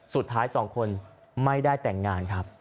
สุดท้ายสองคนไม่ได้แต่งงานครับ